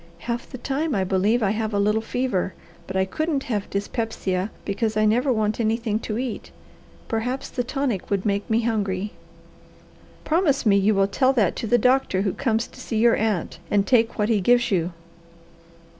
"Half the time I believe I have a little fever, but I couldn't have dyspepsia, because I never want anything to eat; perhaps the tonic would make me hungry." "Promise me you will tell that to the doctor who comes to see your aunt, and take what he gives you."